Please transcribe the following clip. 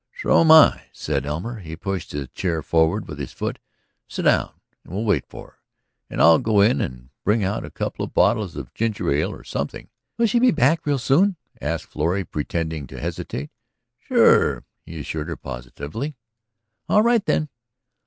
..." "So'm I," said Elmer. He pushed a chair forward with his foot. "Sit down and we'll wait for her. And I'll go in and bring out a couple of bottles of ginger ale or something." "Will she be back real soon?" asked Florrie pretending to hesitate. "Sure," he assured her positively. "All right then."